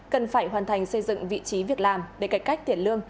cần phải hoàn thành xây dựng vị trí việc làm để cải cách tiền lương